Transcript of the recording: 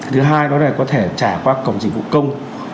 thứ hai đó là có thể trả qua cổng dịch vụ công